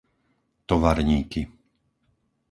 Tovarníky